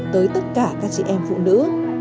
tới tất cả các chị em phụ nữ